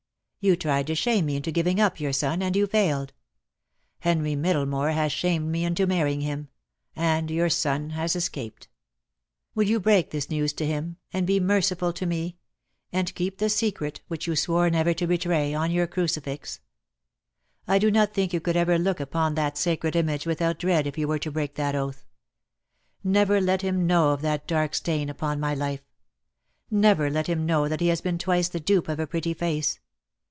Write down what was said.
,(:;•• "You tried to shame me into giving up your son, and you failed. Henry Middlemore has shamed me into marrying him; and your son has escaped. "Will you break this news to him, and be merciful to me, and keep the secret which you swore never to betray, on your crucifix? I do not think you could ever look upon that sacred image without dread if you were to break that oath. Never let him know of that dark stain upon my life. Never let him know that he has been twice the dupe of a pretty face.